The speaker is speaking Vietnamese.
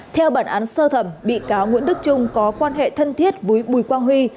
theo bản án sơ thẩm bị cáo nguyễn đức trung có quan hệ thân thiết với bùi quang huy